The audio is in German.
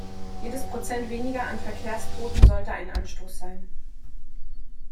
Jedes Prozent weniger an Verkehrstoten sollte ein Anstoß sein.